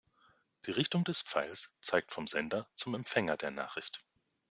Die Richtung des Pfeils zeigt vom Sender zum Empfänger der Nachricht.